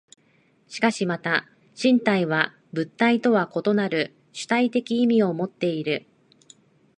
しかしまた身体は物体とは異なる主体的意味をもっている。